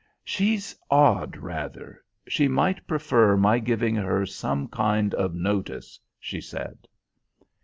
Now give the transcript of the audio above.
"She's odd rather. She might prefer my giving her some kind of notice," she said.